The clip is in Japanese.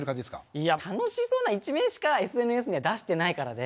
いや楽しそうな一面しかＳＮＳには出してないからで。